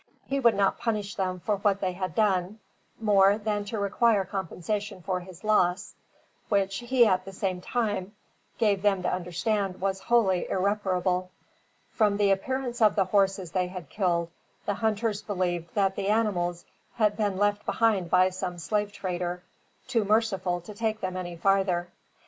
He would not punish them for what they had done, more than to require compensation for his loss, which he at the same time gave them to understand was wholly irreparable. From the appearance of the horses they had killed, the hunters believed that the animals had been left behind by some slave trader, too merciful to take them any farther.